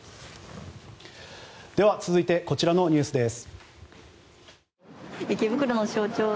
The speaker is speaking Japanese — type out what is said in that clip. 続いて、こちらのニュースです。